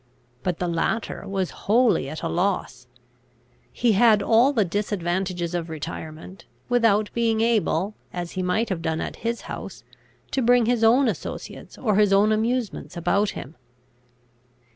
But the latter was wholly at a loss. He had all the disadvantages of retirement, without being able, as he might have done at his house, to bring his own associates or his own amusements about him.